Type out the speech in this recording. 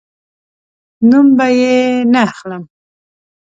نوم به یې نه اخلم